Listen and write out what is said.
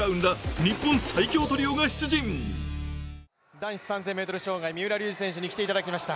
男子３０００ｍ障害、三浦龍司選手に来ていただきました。